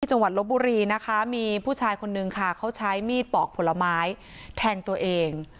จังหวัดลบบุรีนะคะมีผู้ชายคนนึงค่ะเขาใช้มีดปอกผลไม้แทงตัวเอง